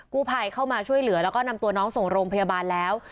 ภัยเข้ามาช่วยเหลือแล้วก็นำตัวน้องส่งโรงพยาบาลแล้ว